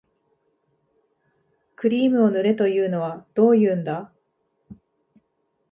クリームを塗れというのはどういうんだ